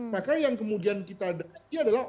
maka yang kemudian kita dengarkan adalah